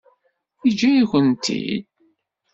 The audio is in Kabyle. Yeǧǧa-yakent-t-id.